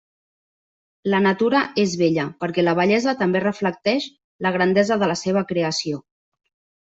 La natura és bella, perquè la bellesa també reflecteix la grandesa de la seva creació.